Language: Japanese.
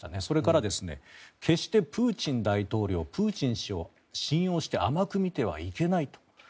それから、決してプーチン大統領、プーチン氏を信用して甘く見てはいけないと。